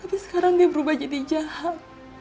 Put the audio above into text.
tapi sekarang dia berubah jadi jahat